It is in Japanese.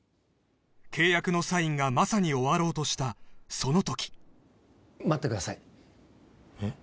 契約のサインがまさに終わろうとしたその時待ってくださいえっ？